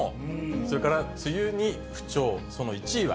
それから梅雨に不調、その１位は。